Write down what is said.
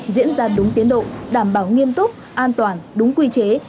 diễn ra đúng tiến độ đảm bảo nghiêm túc an toàn đúng quy chế